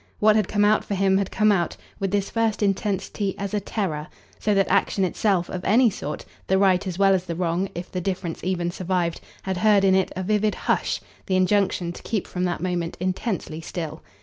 What had come out for him had come out, with this first intensity, as a terror; so that action itself, of any sort, the right as well as the wrong if the difference even survived had heard in it a vivid "Hush!" the injunction to keep from that moment intensely still.